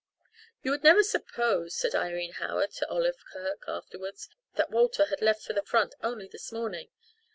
"You would never suppose," said Irene Howard to Olive Kirk afterwards, "that Walter had left for the front only this morning.